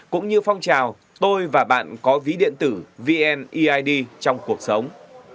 cũng như phong trào tôi và bạn có ví điện tử vneid trong cuộc sống